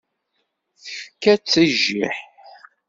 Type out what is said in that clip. Tefka-tt i jjiḥ.